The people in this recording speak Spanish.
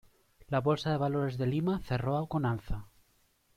La Bolsa de Valores de Lima cerró con alza.